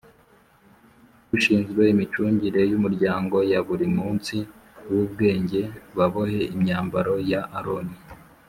Bushinzwe imicungire y umuryango ya buri munsiw ubwenge babohe imyambaro ya Aroni